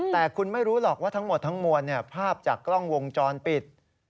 แต่คุณไม่รู้หรอกว่าทั้งหมดทั้งมวลภาพจากกล้องวงจรปิด